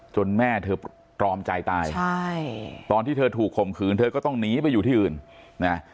แม่เธอตรอมใจตายใช่ตอนที่เธอถูกข่มขืนเธอก็ต้องหนีไปอยู่ที่อื่นนะ